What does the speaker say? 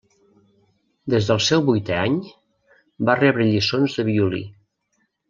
Des del seu vuitè any, va rebre lliçons de violí.